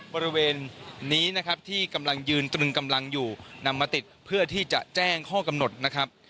บริเวณนี้นะครับที่กำลังยืนตรึงกำลังอยู่นำมาติดเพื่อที่จะแจ้งข้อกำหนดนะครับ